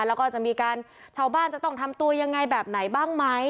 แล้วก็จะมีการชาวบ้านจะต้องทำตัวยังไงแบบไหนบ้างไหม